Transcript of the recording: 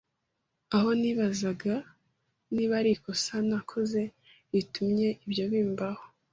aho nibazaga niba ari ikosa nakoze ritumye ibyo bimbaho.